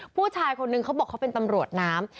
ผู้ชายคนนึงเขาบอกเขาเป็นตำรวจน้ำ